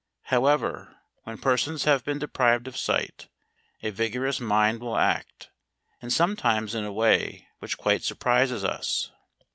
However, when persons have been deprived of sight, a vigorous mind will act; and sometimes in a way which quite surprises us.